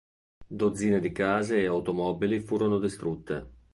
Dozzine di case e automobili furono distrutte.